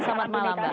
selamat malam mbak